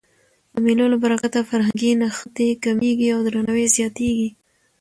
د مېلو له برکته فرهنګي نښتي کمېږي او درناوی زیاتېږي.